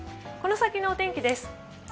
この先のお天気です。